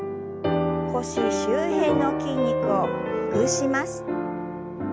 腰周辺の筋肉をほぐします。